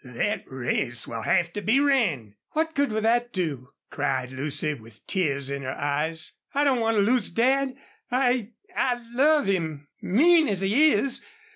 "Thet race will have to be ran!" "What good will that do?" cried Lucy, with tears in her eyes. "I don't want to lose Dad. I I love him mean as he is.